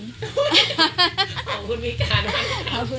ขอบคุณวิทยาลัยมาก